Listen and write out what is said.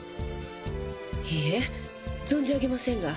いいえ存じ上げませんが。